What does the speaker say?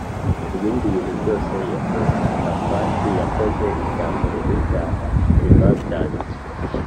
Ibindi bintu byose Yehoshafati yakoze ibya mbere n ibya nyuma byanditswe